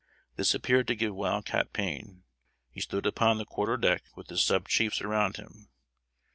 This appeared to give Wild Cat pain. He stood upon the quarter deck with his sub chiefs around him.